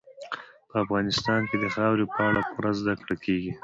په افغانستان کې د خاورې په اړه پوره زده کړه کېږي.